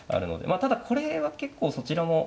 まあただこれは結構そちらも。